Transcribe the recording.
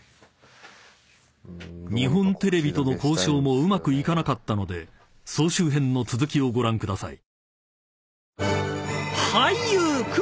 ［日本テレビとの交渉もうまくいかなかったので総集編の続きをご覧ください］